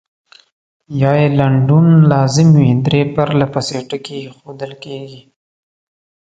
یا یې لنډون لازم وي درې پرلپسې ټکي اېښودل کیږي.